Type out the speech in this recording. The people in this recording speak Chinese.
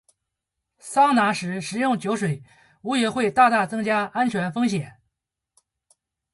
桑拿时食用酒水无疑会大大增加安全风险。